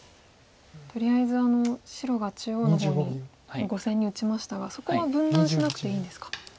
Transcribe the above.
とりあえずあの白が中央の方に５線に打ちましたがそこは分断しなくていいんですか。